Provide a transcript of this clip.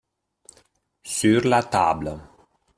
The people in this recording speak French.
sur la table.